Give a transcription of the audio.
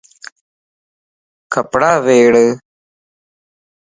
ڪپڙا ويڙھ